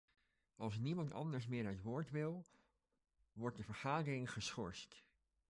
Als niemand anders meer het woord wil, wordt de vergadering geschorst.